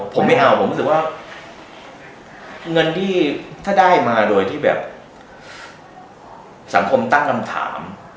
ผมไม่เอาผมรู้สึกว่าเงินที่ถ้าได้มาโดยที่แบบสังคมตั้งคำถาม